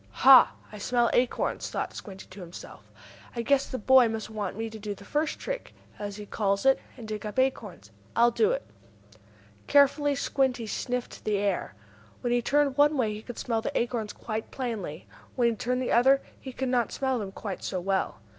"Ha! I smell acorns!" thought Squinty to himself. "I guess the boy must want me to do the first trick, as he calls it, and dig up the acorns. I'll do it!" Carefully Squinty sniffed the air. When he turned one way he could smell the acorns quite plainly. When he turned the other way he could not smell them quite so well.